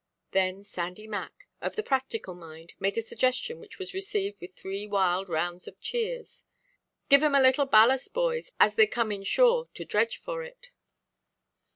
Then Sandy Mac, of the practical mind, made a suggestion which was received with three wild rounds of cheers. "Give 'em a little ballast, boys, as they be come in–shore to dredge for it."